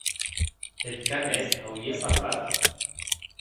Eth gosset auie parlat?